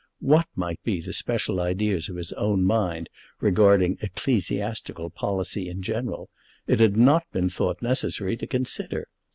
What might be the special ideas of his own mind regarding ecclesiastical policy in general, it had not been thought necessary to consider.